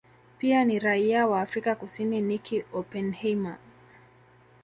Pia ni raia wa Afrika Kusini Nicky Oppenheimer